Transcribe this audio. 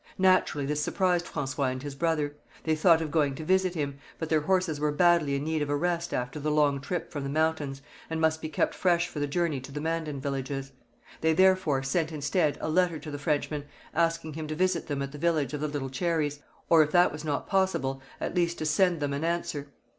Naturally this surprised François and his brother. They thought of going to visit him; but their horses were badly in need of a rest after the long trip from the mountains, and must be kept fresh for the journey to the Mandan villages. They therefore sent instead a letter to the Frenchman, asking him to visit them at the village of the Little Cherries, or, if that was not possible, at least to send them an answer.